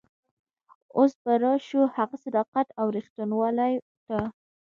اوس به راشو هغه صداقت او رښتینولي ته.